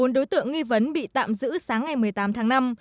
bốn đối tượng nghi vấn bị tạm giữ sáng ngày một mươi tám tháng năm